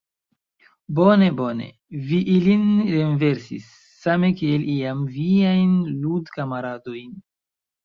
Bone, bone vi ilin renversis, same kiel iam viajn ludkamaradojn!